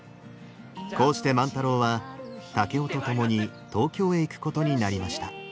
こうして万太郎は竹雄と共に東京へ行くことになりました。